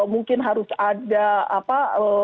mungkin harus ada apa